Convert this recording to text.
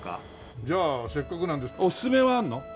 じゃあせっかくなんで。おすすめはあるの？